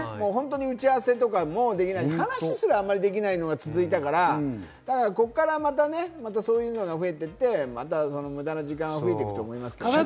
打ち合わせとかもできない、話すらあまりできないのが続いたから、ここからまた、そういうのが増えていて、無駄な時間が増えていくと思いますけどね。